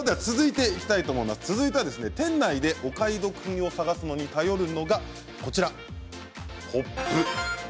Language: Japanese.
続いては店内でお買い得品を探すのに頼るのがポップです。